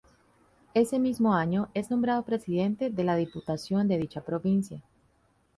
Ese mismo año es nombrado presidente de la Diputación de dicha provincia.